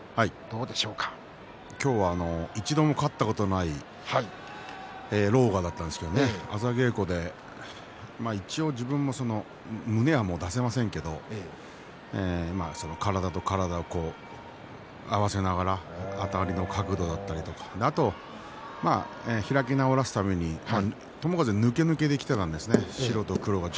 今日は一度も勝ったことのない狼雅だったんですが朝稽古で、自分は胸を出せませんけれども体と体を合わせながらあたりの角度でしたりあと、開き直らせるために友風は白星、黒星と交互にしたんですね。